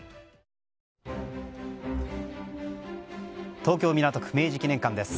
東京・港区、明治記念館です。